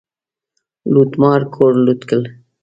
لوټمار کور لوټ کړ.